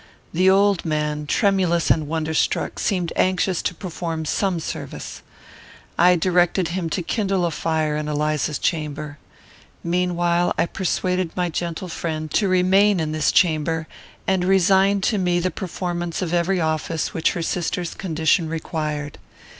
The old man, tremulous and wonder struck, seemed anxious to perform some service. I directed him to kindle a fire in Eliza's chamber. Meanwhile I persuaded my gentle friend to remain in this chamber, and resign to me the performance of every office which her sister's condition required.